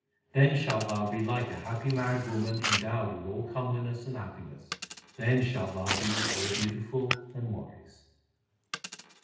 Then shalt thou be like a happy married woman endowed with all comeliness and happiness ; Then shalt thou be all beautiful and wise.